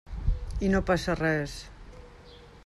I no passa res.